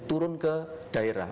turun ke daerah